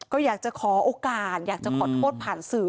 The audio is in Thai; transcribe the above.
ก็อยากจะขอโอกาสอยากจะขอโทษผ่านสื่อ